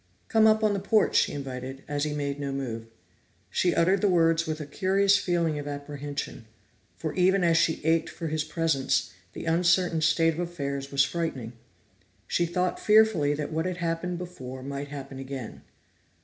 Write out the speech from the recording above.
"Come up on the porch," she invited, as he made no move. She uttered the words with a curious feeling of apprehension; for even as she ached for his presence, the uncertain state of affairs was frightening. She thought fearfully that what had happened before might happen again.